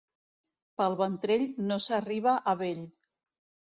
Pel ventrell no s'arriba a vell.